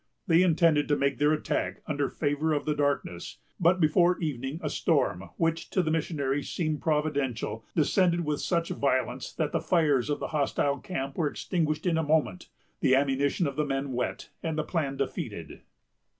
They intended to make their attack under favor of the darkness; but before evening a storm, which to the missionaries seemed providential, descended with such violence, that the fires of the hostile camp were extinguished in a moment, the ammunition of the men wet, and the plan defeated.